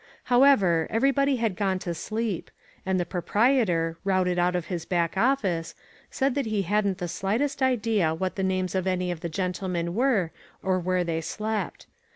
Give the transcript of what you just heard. How ever, everybody had gone to sleep, and the proprietor, routed out of his back office, said that he hadn't the slightest idea what the names of any of the gentlemen were or where they slept.